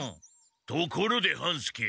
ところで半助。